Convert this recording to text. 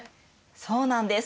そうなんです。